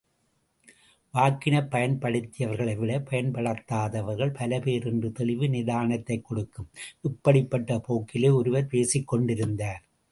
வாக்கினைப் பயன்படுத்தியவர்களைவிட, பயன்படுத்தாதவர் பல பேர் என்ற தெளிவு நிதானத்தைக் கொடுக்கும் இப்படிப்பட்ட போக்கிலே ஒருவர் பேசிக்கொண்டிருந்தார்.